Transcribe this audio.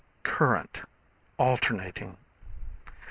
Current, Alternating.